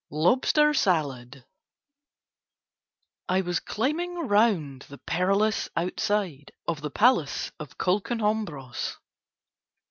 LOBSTER SALAD I was climbing round the perilous outside of the Palace of Colquonhombros.